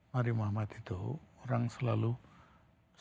mari muhammad itu orang selalu selalu